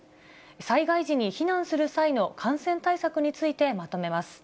災害時に避難する際の感染対策についてまとめます。